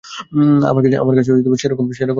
আমার কাছে সেরকম ক্ষমতা নেই।